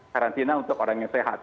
karantina untuk orang yang sehat